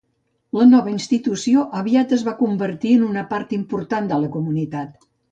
La nova institució aviat es va convertir en una part important de la comunitat.